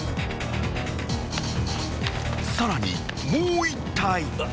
［さらにもう１体］